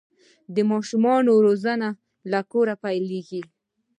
د ماشومانو روزنه له کوره پیلیږي.